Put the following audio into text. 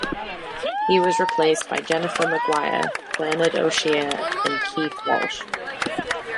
He was replaced by Jennifer Maguire, Bernard O'Shea and Keith Walsh.